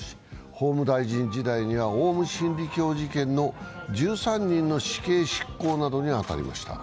法務大臣時代には、オウム真理教事件の１３人の死刑執行などに当たりました。